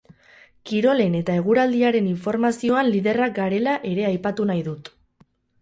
Kirolen eta eguraldiaren informazioan liderrak garela ere aipatu nahi dut.